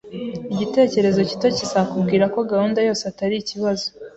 Igitekerezo gito kizakubwira ko gahunda yose itari ikibazo